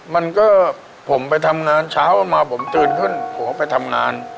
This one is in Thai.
มันก็ผมไปทำงานเช้ามาผมตื่นขึ้นผมก็ไปทำงาน